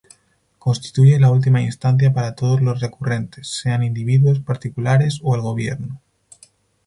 Constituye la última instancia para todos los recurrentes, sean individuos particulares o el gobierno.